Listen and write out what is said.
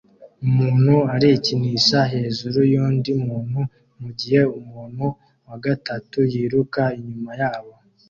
Umuntu arikinisha hejuru yundi muntu mugihe umuntu wa gatatu yiruka inyuma yabo